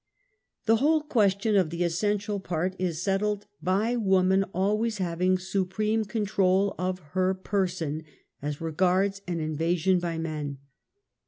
The whole question of the essential part is settled by ico/nan alirays having supreme control of htr j^t rson. as regards an invasion by men.